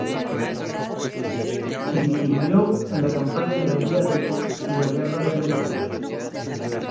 Se distinguió en la campaña del Adriático y en la guerra de Alemania.